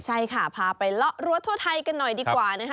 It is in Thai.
ใช่ค่ะพาไปเลาะรั้วทั่วไทยกันหน่อยดีกว่านะคะ